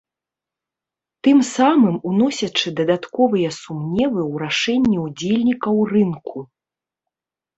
Тым самым уносячы дадатковыя сумневы ў рашэнні ўдзельнікаў рынку.